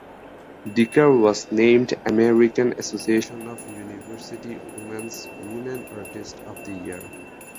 Dicker was named American Association of University Women's "Women Artist of the Year".